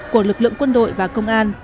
của lực lượng quân đội và công an